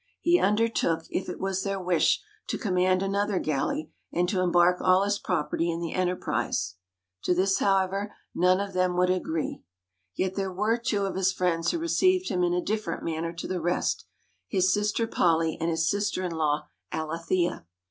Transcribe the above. He undertook, if it was their wish, to command another galley, and to embark all his property in the enterprise. To this, however, none of them would agree. Yet there were two of his friends who received him in a different manner to the rest his sister Polly and his sister in law Alethea.